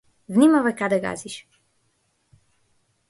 Внимавај каде газиш!